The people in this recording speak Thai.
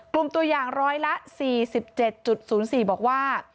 กลุ่มตัวอย่างร้อยละ๔๗๐๔บอกว่า